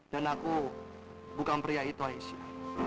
dan aku bukan pria itu aisyah